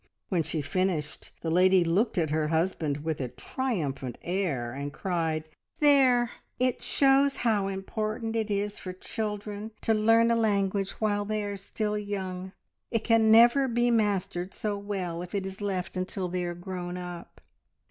When she finished, the lady looked at her husband with a triumphant air, and cried "There! It shows how important it is for children to learn a language while they are still young. It can never be mastered so well if it is left until they are grown up."